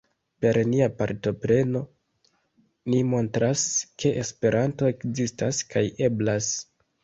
Per nia partopreno, ni montras ke Esperanto ekzistas kaj eblas.